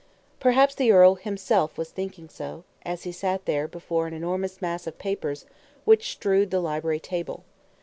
Perhaps the earl himself was thinking so, as he sat there before an enormous mass of papers which strewed the library table.